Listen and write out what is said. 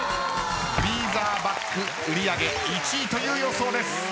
フリーザーバッグ売り上げ１位という予想です。